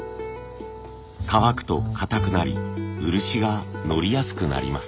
乾くとかたくなり漆がのりやすくなります。